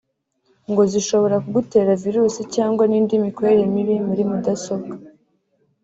ngo zishobora kuguteza virusi cyangwa n’indi mikorere mibi muri mudasobwa